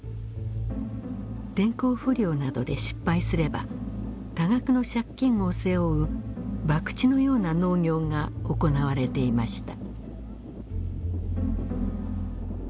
天候不良などで失敗すれば多額の借金を背負う博打のような農業が行われていました。